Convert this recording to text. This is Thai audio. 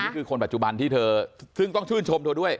นี่คือคนปัจจุบันที่เธอซึ่งต้องชื่นชมเธอด้วย